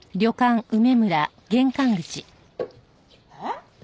えっ？